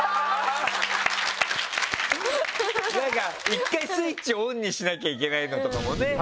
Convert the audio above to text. １回スイッチオンにしなきゃいけないとかもね。